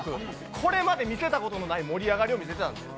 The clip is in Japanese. これまで見せたことのない盛り上がりを見せてたんですよ。